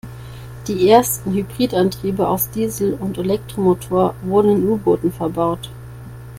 Die ersten Hybridantriebe aus Diesel- und Elektromotor wurden in U-Booten verbaut.